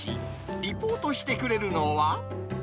リポートしてくれるのは。